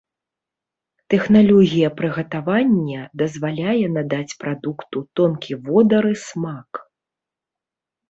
Тэхналогія прыгатавання дазваляе надаць прадукту тонкі водар і смак.